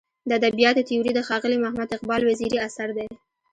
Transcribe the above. د ادبیاتو تیوري د ښاغلي محمد اقبال وزیري اثر دی.